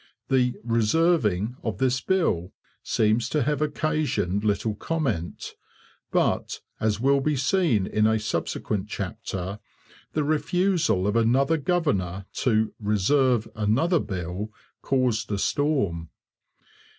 The 'reserving' of this bill seems to have occasioned little comment; but, as will be seen in a subsequent chapter, the refusal of another governor to 'reserve' another bill caused a storm.